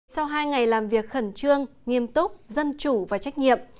sau hai ngày làm việc khẩn trương nghiêm túc dân chủ và trách nhiệm